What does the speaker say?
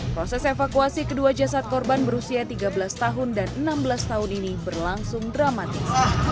proses evakuasi kedua jasad korban berusia tiga belas tahun dan enam belas tahun ini berlangsung dramatis